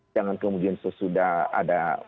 jangan kemudian sesudah ada